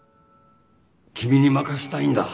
君に任したいんだ